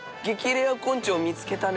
レア昆虫を見つけたね」